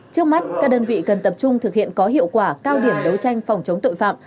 trước mắt các đơn vị cần tập trung thực hiện có hiệu quả cao điểm đấu tranh phòng chống tội phạm